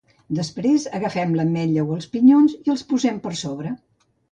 Després agafem l’ametlla o els pinyons i els posen per sobre.